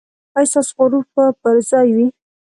ایا ستاسو غرور به پر ځای وي؟